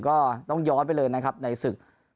ก็ต้องย้อนไปเลยนะครับในศึก